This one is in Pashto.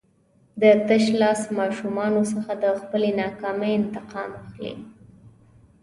د تشلاس ماشومانو څخه د خپلې ناکامۍ انتقام اخلي.